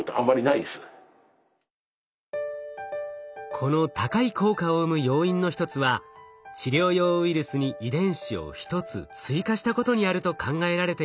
この高い効果を生む要因の一つは治療用ウイルスに遺伝子を１つ追加したことにあると考えられています。